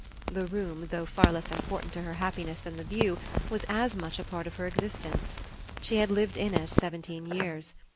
The room, though far less important to her happiness than the view, was as much a part of her existence. She had lived in it seventeen years.